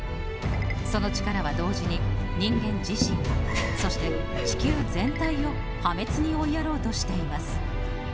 その力は同時に、人間自身をそして地球全体を破滅に追いやろうとしています。